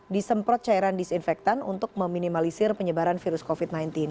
disemprot cairan disinfektan untuk meminimalisir penyebaran virus covid sembilan belas